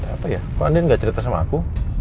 apa ya kok andin nggak cerita sama aku